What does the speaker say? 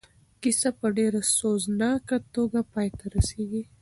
کیسه په ډېره سوزناکه توګه پای ته رسېږي.